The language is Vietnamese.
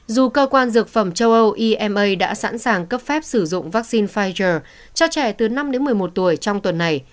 dù cơ quan dược phẩm châu âu ema đã sẵn sàng cấp phép sử dụng vaccine pfizer cho trẻ từ năm đến một mươi một tuổi trong tuần này